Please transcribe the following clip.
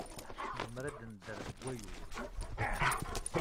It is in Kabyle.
Nezmer ad nedder deg Wayyur?